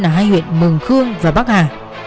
ở hai huyện mường khương và bắc hà